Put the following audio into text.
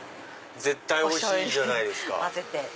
絶対おいしいじゃないですか。